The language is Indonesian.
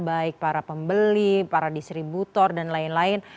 baik para pembeli para distributor dan lain lain